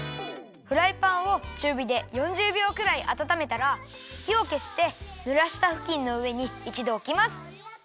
フライパンをちゅうびで４０びょうくらいあたためたらひをけしてぬらしたふきんのうえにいちどおきます。